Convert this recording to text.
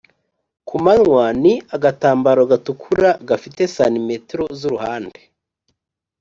kumanywa:ni agatambaro gatukura gafite cm z’uruhande